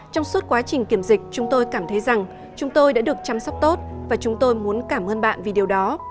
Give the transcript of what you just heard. trong suốt quá trình kiểm dịch chúng tôi cảm thấy rằng chúng tôi đã được chăm sóc tốt và chúng tôi muốn cảm ơn bạn vì điều đó